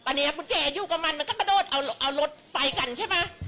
ตอนนี้กุญแจอยู่กับมันมันก็กระโดดเอารถไฟกันใช่ไหม